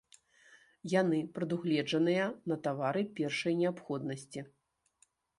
Яны прадугледжаныя на тавары першай неабходнасці.